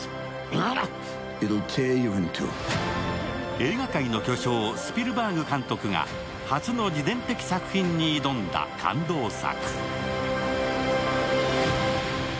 映画界の巨匠・スピルバーグ監督が初の自伝的作品に挑んだ感動作。